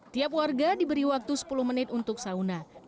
tiap warga diberi waktu sepuluh menit untuk sauna